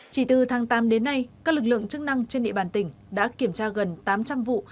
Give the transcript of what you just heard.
chỉ từ tháng tám đến nay các lực lượng chức năng trên địa bàn tỉnh đã kiểm tra gần tám trăm linh vụ